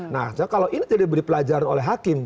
nah kalau ini tidak diberi pelajaran oleh hakim